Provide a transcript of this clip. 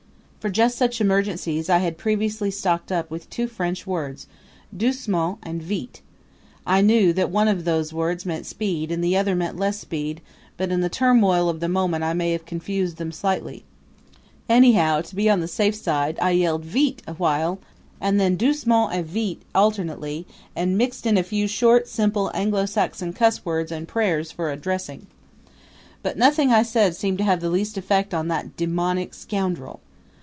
For just such emergencies I had previously stocked up with two French words "Doucement!" and "Vite!" I knew that one of those words meant speed and the other meant less speed, but in the turmoil of the moment I may have confused them slightly. Anyhow, to be on the safe side, I yelled "Vite!" a while and then "Doucement" a while; and then "Doucement" and "Vite!" alternately, and mixed in a few short, simple Anglo Saxon cusswords and prayers for dressing. But nothing I said seemed to have the least effect on that demoniac scoundrel.